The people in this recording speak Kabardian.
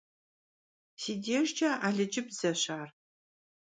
Си дежкIэ алыджыбзэщ ар.